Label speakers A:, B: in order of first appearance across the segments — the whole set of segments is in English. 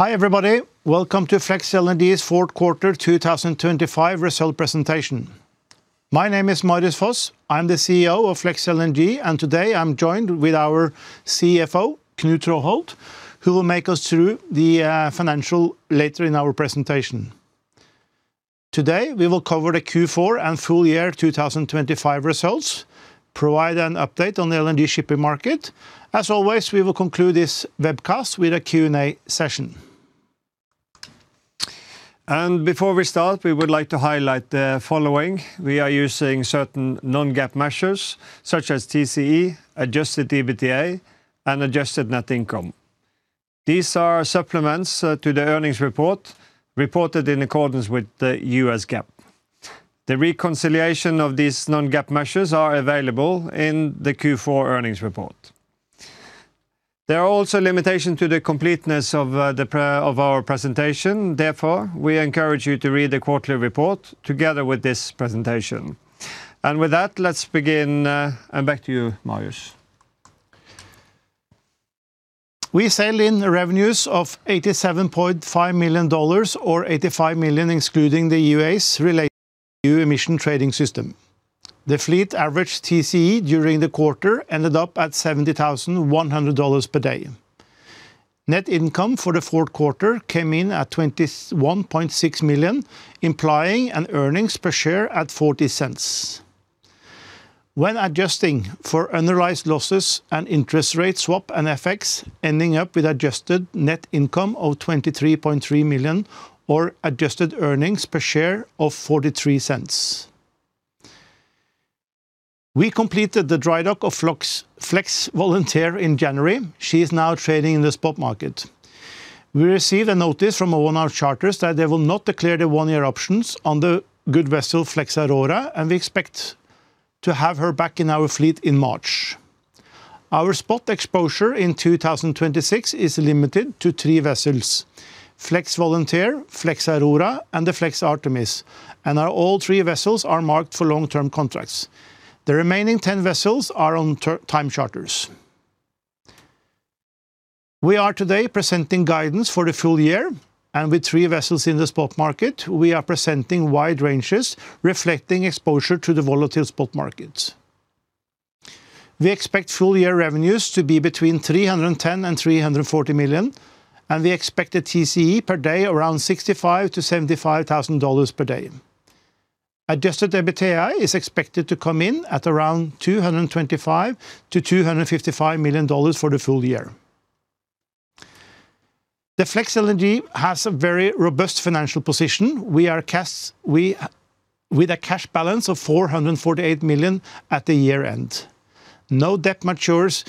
A: Hi everybody, welcome to FLEX LNG's Fourth Quarter 2025 Results Presentation. My name is Marius Foss, I am the CEO of FLEX LNG, and today I am joined with our CFO, Knut Traaholt, who will take us through the financials later in our presentation. Today we will cover the Q4 and full year 2025 results, provide an update on the LNG shipping market, and as always we will conclude this webcast with a Q&A session.
B: Before we start we would like to highlight the following: we are using certain non-GAAP measures such as TCE, adjusted EBITDA, and adjusted net income. These are supplements to the earnings report reported in accordance with U.S. GAAP. The reconciliation of these non-GAAP measures is available in the Q4 earnings report. There are also limitations to the completeness of our presentation, therefore we encourage you to read the quarterly report together with this presentation. With that let us begin and back to you, Marius.
A: We sailed in revenues of $87.5 million, or $85 million excluding the EUA related to Emission Trading System. The fleet averaged TCE during the quarter ended up at $71,100 per day. Net income for the fourth quarter came in at $21.6 million, implying an earnings per share at $0.40. When adjusting for unrealized losses and interest rate swap and FX ending up with adjusted net income of $23.3 million, or adjusted earnings per share of $0.43. We completed the drydock of FLEX VOLUNTEER in January. She is now trading in the spot market. We received a notice from ONR Charters that they will not declare the one-year options on the good vessel FLEX AURORA, and we expect to have her back in our fleet in March. Our spot exposure in 2026 is limited to three vessels: FLEX VOLUNTEER, FLEX AURORA, and the FLEX ARTEMIS, and all three vessels are marked for long-term contracts. The remaining 10 vessels are on time charters. We are today presenting guidance for the full year, and with three vessels in the spot market we are presenting wide ranges reflecting exposure to the volatile spot markets. We expect full year revenues to be between $310 million and $340 million, and we expect a TCE per day around $65,000-$75,000 per day. Adjusted EBITDA is expected to come in at around $225 million-$255 million for the full year. FLEX LNG has a very robust financial position. We are with a cash balance of $448 million at the year end. No debt matures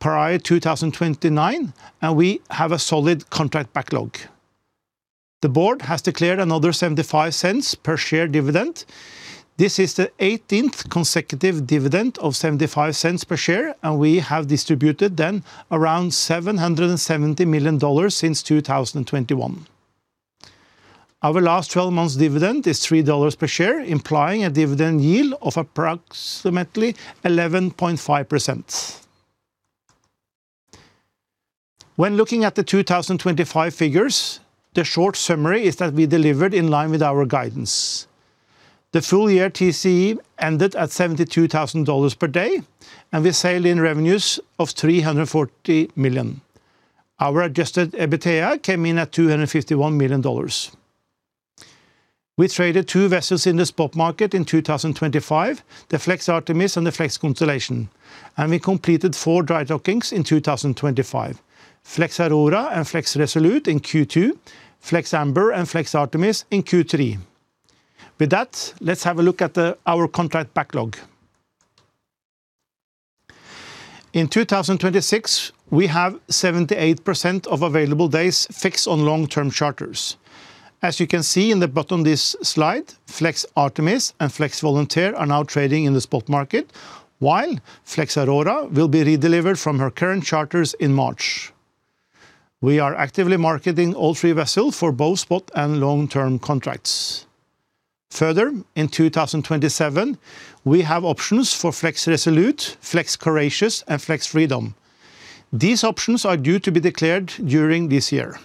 A: prior to 2029, and we have a solid contract backlog. The board has declared another $0.75 per share dividend. This is the 18th consecutive dividend of $0.75 per share, and we have distributed then around $770 million since 2021. Our last 12 months dividend is $3 per share, implying a dividend yield of approximately 11.5%. When looking at the 2025 figures the short summary is that we delivered in line with our guidance. The full year TCE ended at $72,000 per day, and we sailed in revenues of $340 million. Our adjusted EBITDA came in at $251 million. We traded two vessels in the spot market in 2025: the FLEX ARTEMIS and the FLEX CONSTELLATION, and we completed four drydockings in 2025: FLEX AURORA and FLEX RESOLUTE in Q2, FLEX AMBER and FLEX ARTEMIS in Q3. With that, let us have a look at our contract backlog. In 2026 we have 78% of available days fixed on long-term charters. As you can see in the bottom of this slide, FLEX ARTEMIS and FLEX VOLUNTEER are now trading in the spot market while FLEX AURORA will be redelivered from her current charters in March. We are actively marketing all three vessels for both spot and long-term contracts. Further in 2027 we have options for FLEX RESOLUTE, FLEX COURAGEOUS, and FLEX FREEDOM. These options are due to be declared during this year.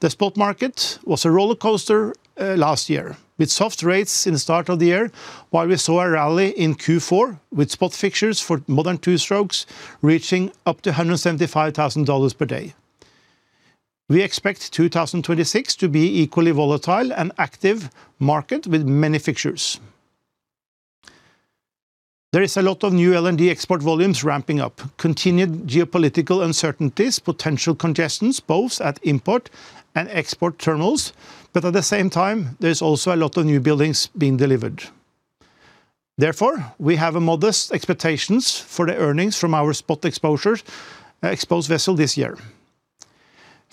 A: The spot market was a roller coaster last year with soft rates in the start of the year while we saw a rally in Q4 with spot fixtures for modern two-strokes reaching up to $175,000 per day. We expect 2026 to be equally volatile and active market with many fixtures. There is a lot of new LNG export volumes ramping up. Continued geopolitical uncertainties potential congestions both at import and export terminals but at the same time there is also a lot of new buildings being delivered. Therefore we have modest expectations for the earnings from our spot exposure exposed vessel this year.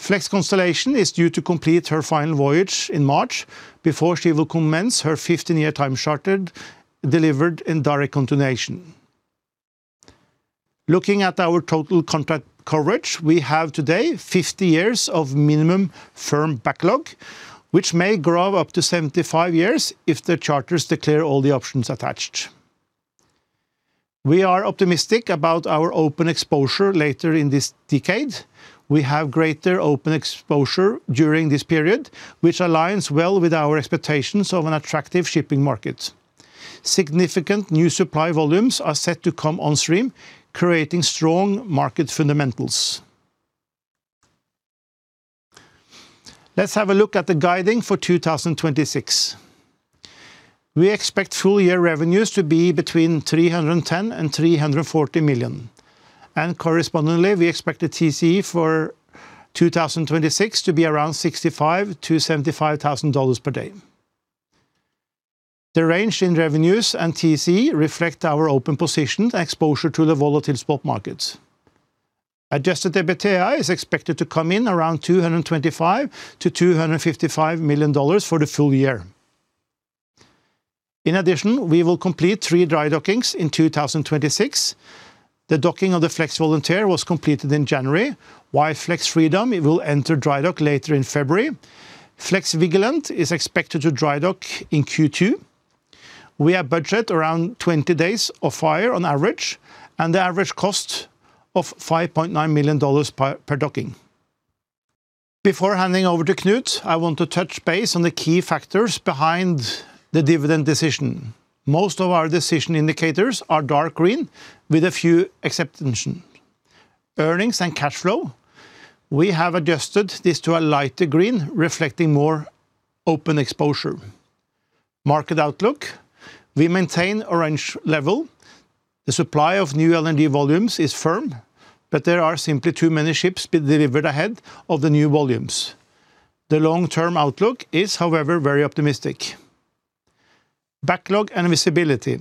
A: FLEX CONSTELLATION is due to complete her final voyage in March before she will commence her 15-year time charter delivered in direct continuation. Looking at our total contract coverage we have today 50 years of minimum firm backlog which may grow up to 75 years if the charters declare all the options attached. We are optimistic about our open exposure later in this decade. We have greater open exposure during this period which aligns well with our expectations of an attractive shipping market. Significant new supply volumes are set to come on stream creating strong market fundamentals. Let us have a look at the guidance for 2026. We expect full year revenues to be between $310 million and $340 million, and correspondingly we expect the TCE for 2026 to be around $65,000-$75,000 per day. The range in revenues and TCE reflect our open positions and exposure to the volatile spot markets. Adjusted EBITDA is expected to come in around $225 million-$255 million for the full year. In addition we will complete three drydockings in 2026. The docking of the FLEX VOLUNTEER was completed in January, while FLEX FREEDOM will enter drydock later in February. FLEX VIGILANT is expected to drydock in Q2. We have budget around 20 days of off-hire on average and the average cost of $5.9 million per docking. Before handing over to Knut, I want to touch base on the key factors behind the dividend decision. Most of our decision indicators are dark green with a few exceptions. Earnings and cash flow, we have adjusted this to a lighter green reflecting more open exposure. Market outlook, we maintain orange level. The supply of new LNG volumes is firm but there are simply too many ships delivered ahead of the new volumes. The long-term outlook is however very optimistic. Backlog and visibility.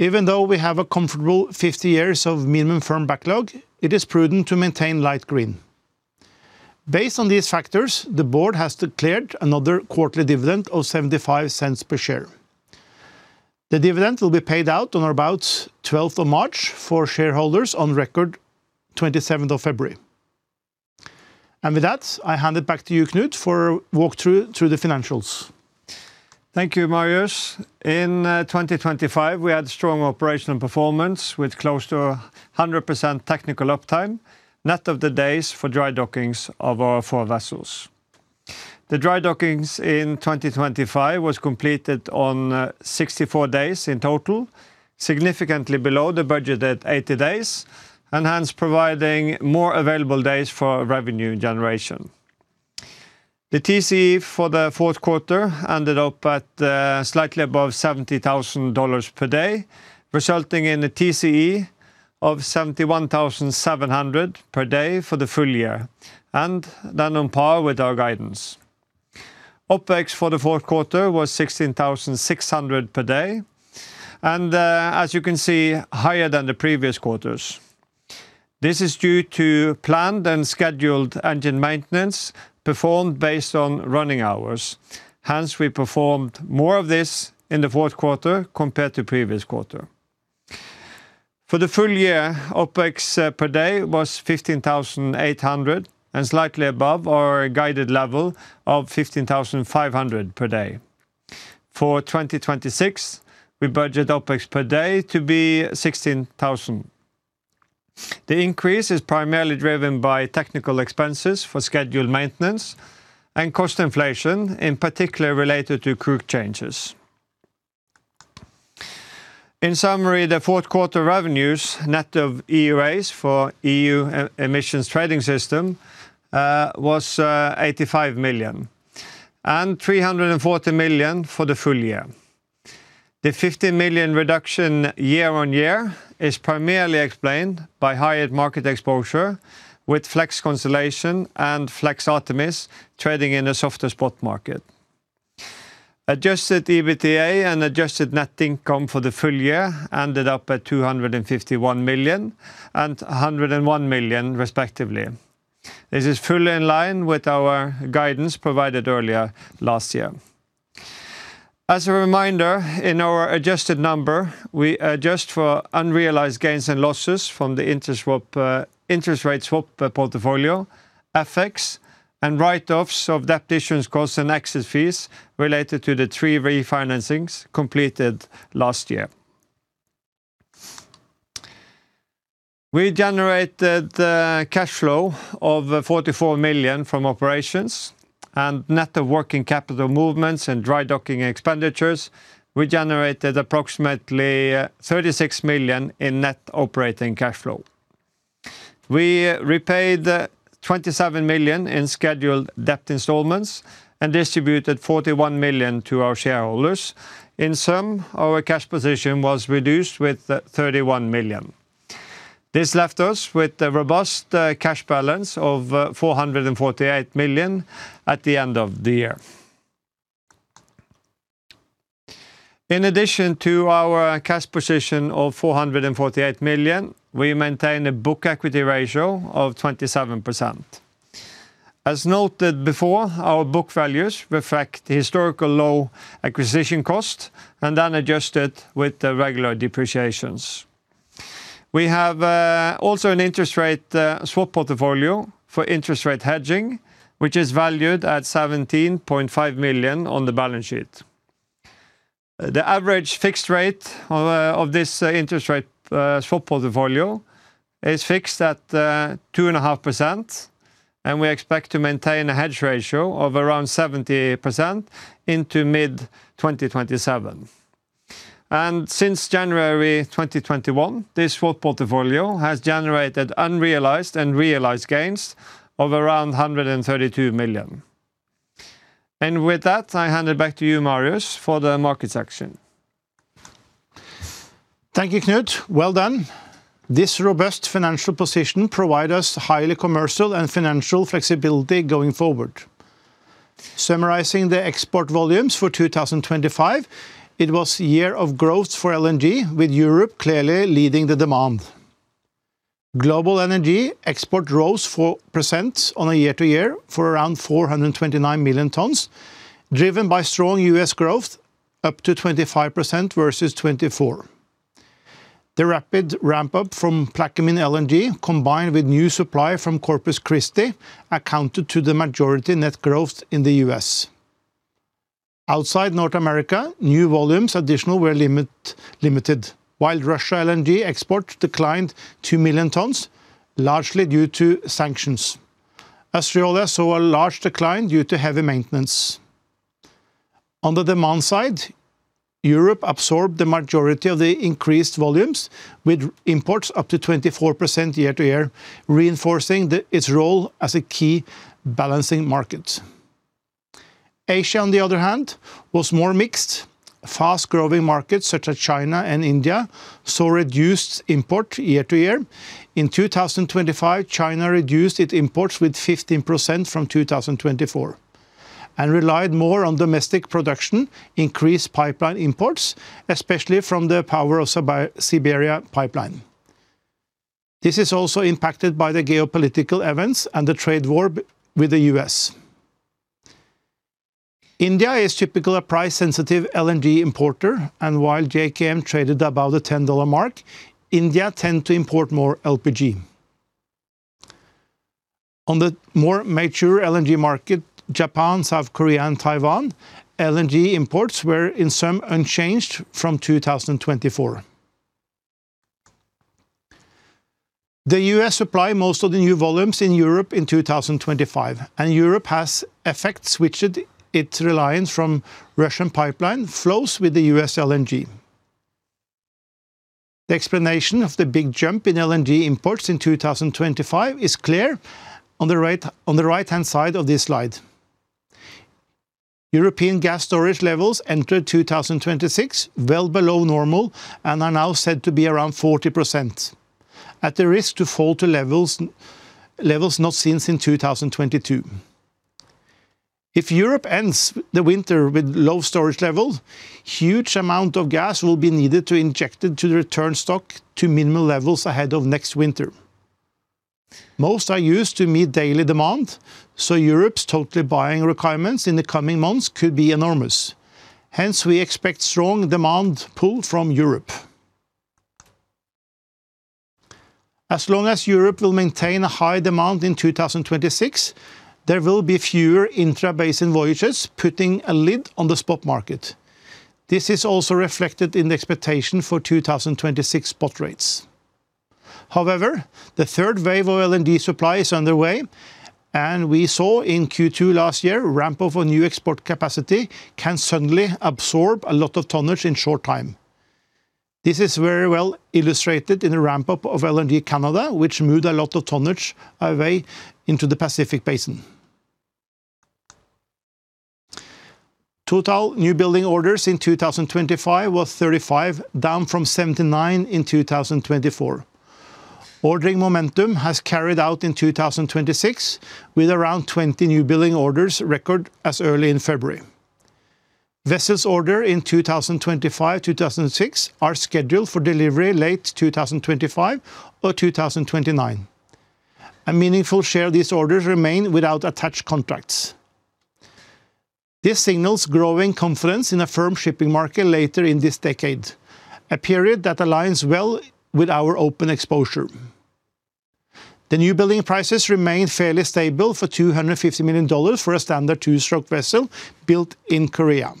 A: Even though we have a comfortable 50 years of minimum firm backlog it is prudent to maintain light green. Based on these factors the board has declared another quarterly dividend of $0.75 per share. The dividend will be paid out on or about 12th of March for shareholders on record 27th of February. And with that I hand it back to you Knut for a walkthrough through the financials.
B: Thank you Marius. In 2025 we had strong operational performance with close to 100% technical uptime net of the days for drydockings of our four vessels. The drydockings in 2025 were completed on 64 days in total, significantly below the budget at 80 days and hence providing more available days for revenue generation. The TCE for the fourth quarter ended up at slightly above $70,000 per day, resulting in a TCE of $71,700 per day for the full year and then on par with our guidance. OpEx for the fourth quarter was $16,600 per day and as you can see higher than the previous quarters. This is due to planned and scheduled engine maintenance performed based on running hours. Hence we performed more of this in the fourth quarter compared to previous quarter. For the full year OpEx per day was $15,800 and slightly above our guided level of $15,500 per day. For 2026 we budget OpEx per day to be $16,000. The increase is primarily driven by technical expenses for scheduled maintenance and cost inflation in particular related to crew changes. In summary, the fourth quarter revenues net of EUAs for EU Emissions Trading System was $85 million and $340 million for the full year. The $15 million reduction year-on-year is primarily explained by higher market exposure with FLEX CONSTELLATION and FLEX ARTEMIS trading in a softer spot market. Adjusted EBITDA and adjusted net income for the full year ended up at $251 million and $101 million respectively. This is fully in line with our guidance provided earlier last year. As a reminder, in our adjusted number we adjust for unrealized gains and losses from the interest swap interest rate swap portfolio FX and write-offs of depreciation costs and exit fees related to the three refinancings completed last year. We generated cash flow of $44 million from operations, and net of working capital movements and drydocking expenditures we generated approximately $36 million in net operating cash flow. We repaid $27 million in scheduled debt installments and distributed $41 million to our shareholders. In sum our cash position was reduced with $31 million. This left us with a robust cash balance of $448 million at the end of the year. In addition to our cash position of $448 million we maintain a book equity ratio of 27%. As noted before, our book values reflect historical low acquisition costs and then adjusted with the regular depreciations. We have also an interest rate swap portfolio for interest rate hedging which is valued at $17.5 million on the balance sheet. The average fixed rate of this interest rate swap portfolio is fixed at 2.5% and we expect to maintain a hedge ratio of around 70% into mid-2027. And since January 2021 this swap portfolio has generated unrealized and realized gains of around $132 million. And with that I hand it back to you, Marius, for the markets section.
A: Thank you Knut. Well done. This robust financial position provides us highly commercial and financial flexibility going forward. Summarizing the export volumes for 2025, it was a year of growth for LNG with Europe clearly leading the demand. Global energy export rose 4% on a year-over-year for around 429 million tons driven by strong U.S. growth up 25% versus 2024. The rapid ramp-up from Plaquemines LNG combined with new supply from Corpus Christi accounted to the majority net growth in the U.S. Outside North America new volumes additional were limited while Russia LNG export declined 2 million tons largely due to sanctions. Australia saw a large decline due to heavy maintenance. On the demand side Europe absorbed the majority of the increased volumes with imports up 24% year-over-year reinforcing its role as a key balancing market. Asia, on the other hand, was more mixed. Fast-growing markets such as China and India saw reduced imports year-to-year. In 2025 China reduced its imports with 15% from 2024 and relied more on domestic production, increased pipeline imports, especially from the Power of Siberia pipeline. This is also impacted by the geopolitical events and the trade war with the U.S. India is typically a price-sensitive LNG importer and while JKM traded above the $10 mark, India tends to import more LPG. On the more mature LNG market Japan, South Korea, and Taiwan LNG imports were in sum unchanged from 2024. The U.S. supplied most of the new volumes in Europe in 2025 and Europe has effectively switched its reliance from Russian pipeline flows to the U.S. LNG. The explanation of the big jump in LNG imports in 2025 is clear on the right-hand side of this slide. European gas storage levels entered 2026 well below normal and are now said to be around 40% at the risk to fall to levels not seen since 2022. If Europe ends the winter with low storage levels huge amount of gas will be needed to inject it to return stock to minimal levels ahead of next winter. Most are used to meet daily demand so Europe's total buying requirements in the coming months could be enormous. Hence we expect strong demand pull from Europe. As long as Europe will maintain a high demand in 2026 there will be fewer intra-basin voyages putting a lid on the spot market. This is also reflected in the expectation for 2026 spot rates. However, the third wave of LNG supply is underway and we saw in Q2 last year ramp-up of new export capacity can suddenly absorb a lot of tonnage in short time. This is very well illustrated in the ramp-up of LNG Canada which moved a lot of tonnage away into the Pacific Basin. Total new building orders in 2025 was 35 down from 79 in 2024. Ordering momentum has carried out in 2026 with around 20 new building orders record as early in February. Vessels ordered in 2025 2026 are scheduled for delivery late 2025 or 2029. A meaningful share of these orders remain without attached contracts. This signals growing confidence in a firm shipping market later in this decade, a period that aligns well with our open exposure. The newbuilding prices remain fairly stable for $250 million for a standard two-stroke vessel built in Korea.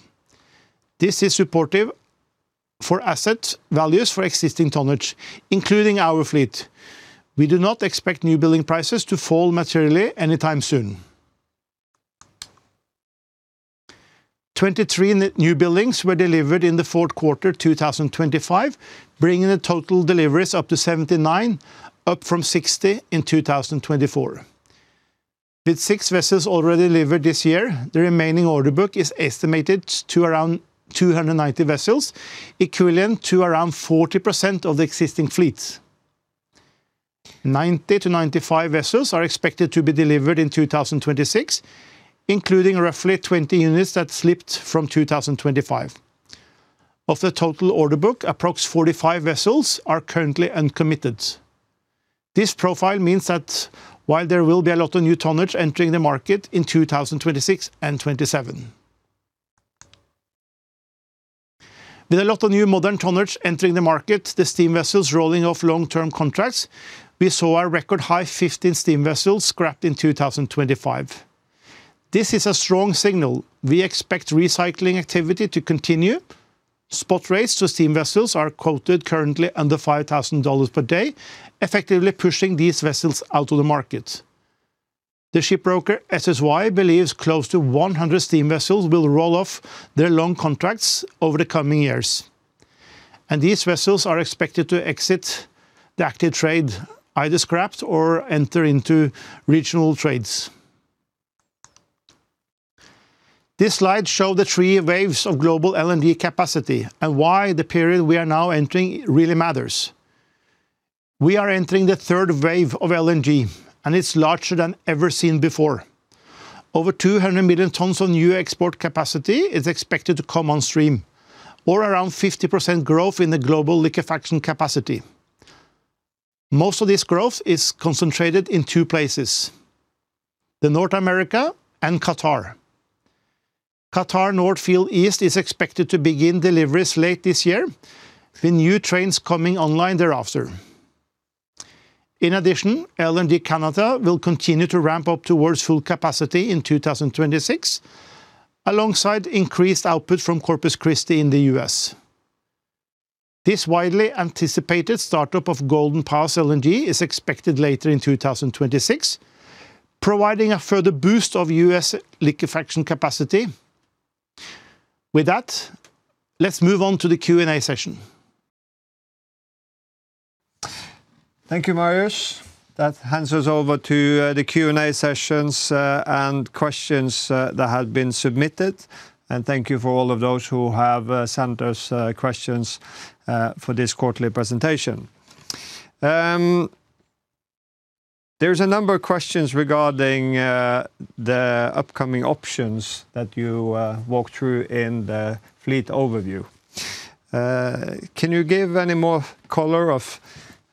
A: This is supportive for asset values for existing tonnage including our fleet. We do not expect newbuilding prices to fall materially any time soon. 23 new buildings were delivered in the fourth quarter 2025 bringing the total deliveries up to 79 up from 60 in 2024. With six vessels already delivered this year the remaining order book is estimated to around 290 vessels equivalent to around 40% of the existing fleet. 90-95 vessels are expected to be delivered in 2026 including roughly 20 units that slipped from 2025. Of the total order book, approximately 45 vessels are currently uncommitted. This profile means that while there will be a lot of new tonnage entering the market in 2026 and 2027. With a lot of new modern tonnage entering the market, the steam vessels rolling off long-term contracts. We saw a record high 15 steam vessels scrapped in 2025. This is a strong signal. We expect recycling activity to continue. Spot rates to steam vessels are quoted currently under $5,000 per day effectively pushing these vessels out of the market. The shipbroker SSY believes close to 100 steam vessels will roll off their long contracts over the coming years. These vessels are expected to exit the active trade either scrapped or enter into regional trades. This slide shows the three waves of global LNG capacity and why the period we are now entering really matters. We are entering the third wave of LNG and it's larger than ever seen before. Over 200 million tons of new export capacity is expected to come on stream or around 50% growth in the global liquefaction capacity. Most of this growth is concentrated in two places, the North America and Qatar. Qatar North Field East is expected to begin deliveries late this year with new trains coming online thereafter. In addition, LNG Canada will continue to ramp up towards full capacity in 2026 alongside increased output from Corpus Christi in the U.S. This widely anticipated startup of Golden Pass LNG is expected later in 2026 providing a further boost of U.S. liquefaction capacity. With that, let's move on to the Q&A session.
B: Thank you Marius. That hands us over to the Q&A sessions and questions that have been submitted. Thank you for all of those who have sent us questions for this quarterly presentation. There is a number of questions regarding the upcoming options that you walked through in the fleet overview. Can you give any more color on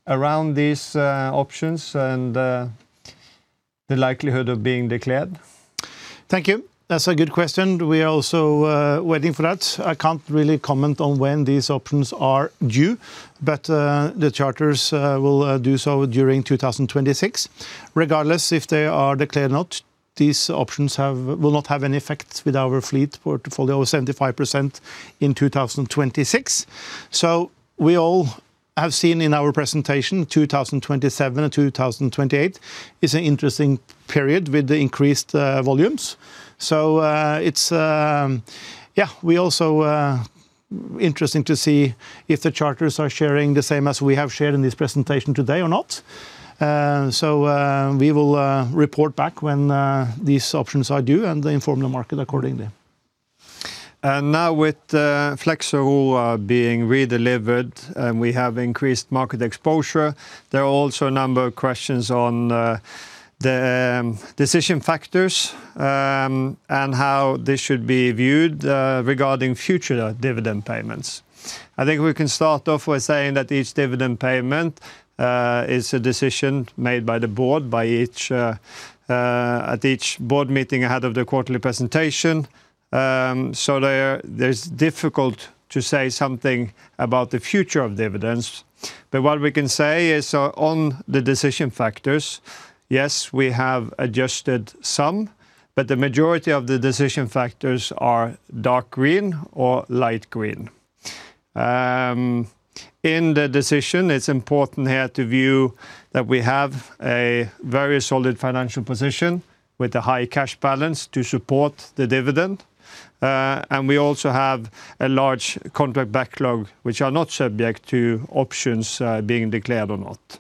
B: around these options and the likelihood of being declared?
A: Thank you. That's a good question. We are also waiting for that. I can't really comment on when these options are due but the charters will do so during 2026. Regardless if they are declared or not these options will not have any effect with our fleet portfolio of 75% in 2026. So we all have seen in our presentation 2027 and 2028 is an interesting period with the increased volumes. So it's yeah we also interesting to see if the charters are sharing the same as we have shared in this presentation today or not. So we will report back when these options are due and inform the market accordingly.
B: Now with FLEX AURORA being redelivered and we have increased market exposure, there are also a number of questions on the decision factors and how this should be viewed regarding future dividend payments. I think we can start off with saying that each dividend payment is a decision made by the board at each board meeting ahead of the quarterly presentation. So it's difficult to say something about the future of dividends. But what we can say is on the decision factors; yes, we have adjusted some, but the majority of the decision factors are dark green or light green. In the decision, it's important here to view that we have a very solid financial position with a high cash balance to support the dividend. And we also have a large contract backlog which are not subject to options being declared or not.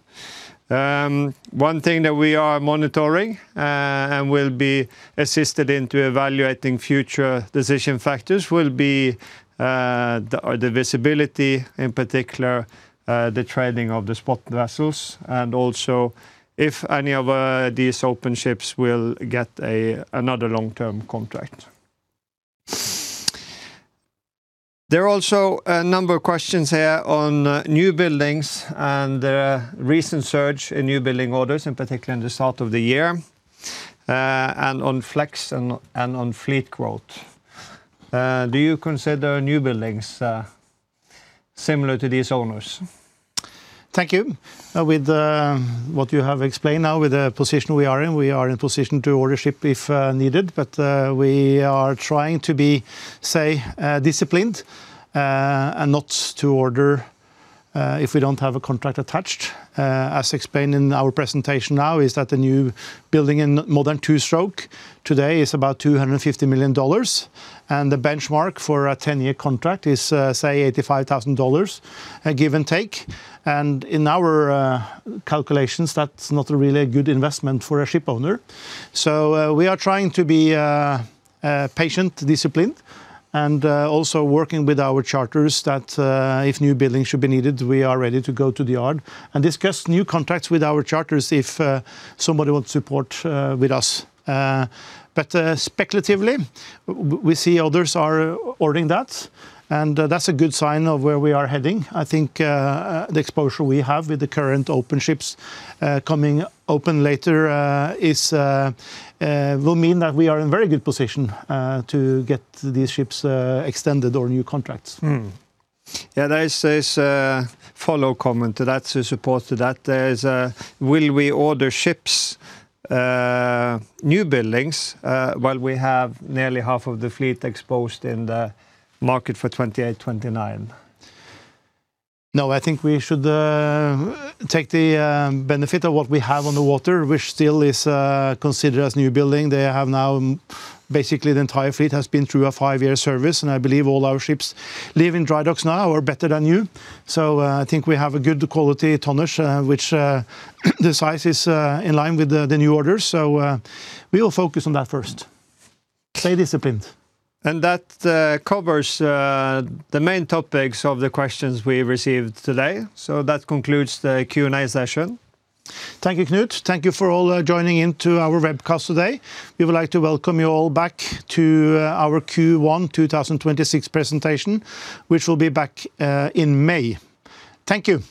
B: One thing that we are monitoring and will be assisted into evaluating future decision factors will be the visibility, in particular the trading of the spot vessels, and also if any of these open ships will get another long-term contract. There are also a number of questions here on new buildings and the recent surge in new building orders, in particular in the start of the year, and on FLEX and on fleet growth. Do you consider new buildings similar to these owners?
A: Thank you. With what you have explained now, with the position we are in, we are in position to order ship if needed, but we are trying to be, say, disciplined and not to order if we don't have a contract attached. As explained in our presentation, now is that the new building in modern two-stroke today is about $250 million and the benchmark for a ten-year contract is, say, $85,000 give or take. And in our calculations that's not really a good investment for a ship owner. So we are trying to be patient, disciplined and also working with our charters that if new buildings should be needed we are ready to go to the yard and discuss new contracts with our charters if somebody wants support with us. But speculatively we see others are ordering that and that's a good sign of where we are heading. I think the exposure we have with the current open ships coming open later will mean that we are in very good position to get these ships extended or new contracts.
B: Yeah, there is a follow-up comment to that to support that. There is: will we order ships, new buildings, while we have nearly half of the fleet exposed in the market for 2028-2029?
A: No, I think we should take the benefit of what we have on the water, which still is considered as new building. They have now basically the entire fleet has been through a five-year service, and I believe all our ships live in dry docks now are better than new. So, I think we have a good quality tonnage, which the size is in line with the new orders, so we will focus on that first. Stay disciplined.
B: That covers the main topics of the questions we received today. That concludes the Q&A session.
A: Thank you Knut. Thank you for all joining into our webcast today. We would like to welcome you all back to our Q1 2026 Presentation which will be back in May. Thank you.